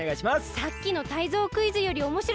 さっきの「タイゾウクイズ」よりおもしろそう！